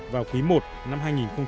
vào quý i năm hai nghìn hai mươi